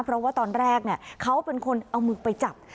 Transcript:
เพราะว่าตอนแรกเขาเป็นคนเอามือไปจับ